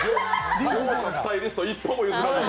両者スタイリスト一歩も譲らない。